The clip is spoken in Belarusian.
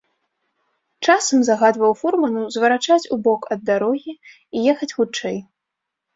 Часам загадваў фурману зварачаць у бок ад дарогі і ехаць хутчэй.